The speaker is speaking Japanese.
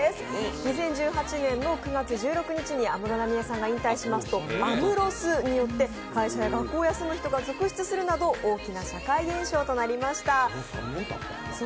２０１８年９月１６日に安室奈美恵さんが引退しますとアムロスによって会社や学校を休む人が続出するなど大きな社会現象となりました。